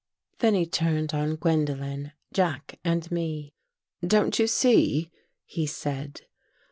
Then he turned on Gwendolen, Jack and me. "Don't you see?" he said.